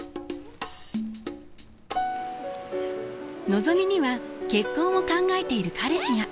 のぞみには結婚を考えている彼氏が。